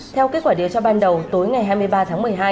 theo kết quả điều tra ban đầu tối ngày hai mươi ba tháng một mươi hai